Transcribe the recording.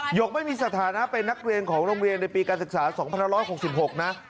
กไม่มีสถานะเป็นนักเรียนของโรงเรียนในปีการศึกษา๒๑๖๖นะ